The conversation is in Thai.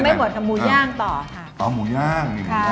สำมัดก็ที่ต้องหมูย่างต่อค่ะสำหรับเราจะโดนมันดูกับอภัย